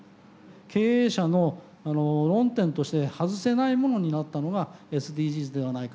経営者の論点として外せないものになったのがＳＤＧｓではないか。